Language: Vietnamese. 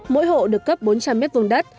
mỗi hộ được cấp bốn trăm linh m hai đất